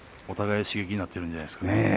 お互いに刺激になってるんじゃないですかね。